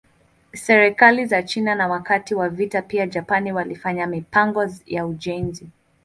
Serikali za China na wakati wa vita pia Japan walifanya mipango ya ujenzi.